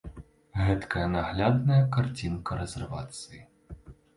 Гэткая наглядная карцінка рэзервацыі.